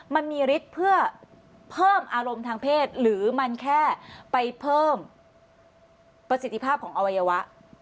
มันมีฤทธิ์เพื่อเพิ่มอารมณ์ทางเพศหรือมันแค่ไปเพิ่มประสิทธิภาพของอวัยวะ